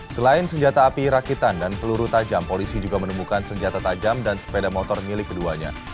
selain senjata api rakitan dan peluru tajam polisi juga menemukan senjata tajam dan sepeda motor milik keduanya